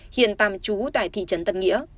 hiện tạm trú tại thị trấn tân nghĩa